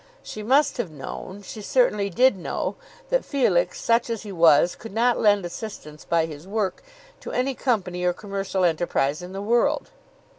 She must have known, she certainly did know, that Felix, such as he was, could not lend assistance by his work to any company or commercial enterprise in the world.